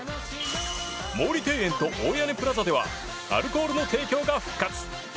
毛利庭園と大屋根プラザではアルコールの提供が復活。